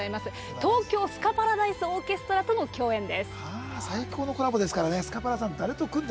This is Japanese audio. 東京スカパラダイスオーケストラとの共演です。